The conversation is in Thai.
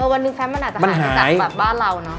วันหนึ่งแฟมมันอาจจะหายไปจากบ้านเราเนอะ